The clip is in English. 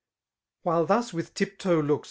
While thus with tip toe looks .